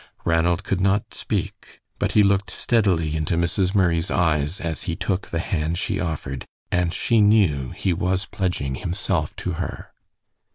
Ranald could not speak, but he looked steadily into Mrs. Murray's eyes as he took the hand she offered, and she knew he was pledging himself to her.